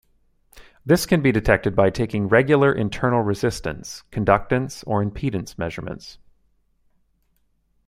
This can be detected by taking regular internal resistance, conductance or impedance measurements.